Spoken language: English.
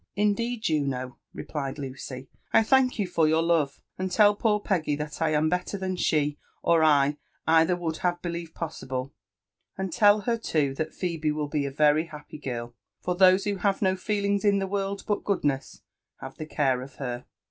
«' Indeed, Juno," replied Luey, '* I thank you for your lova;«iid tell poor Peggy that I am better than she or I either would have h^ lieved possible : and tell her, too, that Phebe will be a very happy girl, ^for those who have no feelings io the world but goodness lutvo the care of her."